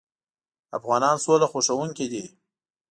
افغانان سوله خوښوونکي دي.